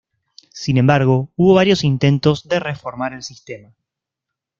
Sin embargo, hubo varios intentos de reformar el sistema.